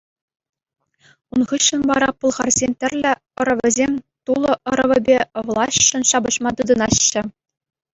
Ун хыҫҫӑн вара пӑлхарсен тӗрлӗ ӑрӑвӗсем Тулӑ ӑрӑвӗпе влаҫшӑн ҫапӑҫма тытӑнаҫҫӗ.